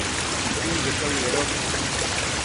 Titinqueshobi bedosh